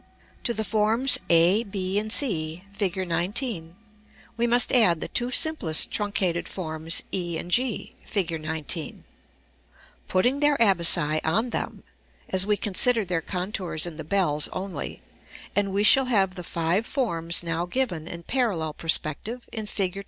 To the forms a, b, and c, Fig. XIX., we must add the two simplest truncated forms e and g, Fig. XIX., putting their abaci on them (as we considered their contours in the bells only), and we shall have the five forms now given in parallel perspective in Fig.